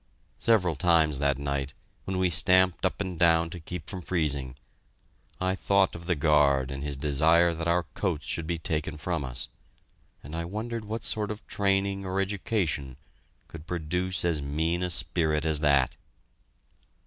Several times that night, when we stamped up and down to keep from freezing, I thought of the guard and his desire that our coats should be taken from us, and I wondered what sort of training or education could produce as mean a spirit as that!